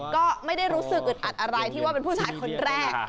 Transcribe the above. ก็ไม่ได้รู้สึกอึดอัดอะไรที่ว่าเป็นผู้ชายคนแรก